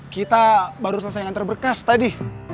kita baru selesai antar bekas tadi